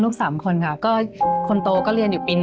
๓คนค่ะก็คนโตก็เรียนอยู่ปี๑